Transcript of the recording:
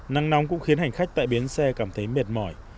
nắng nóng cũng khiến hành khách tại bến xe cảm thấy mệt mỏi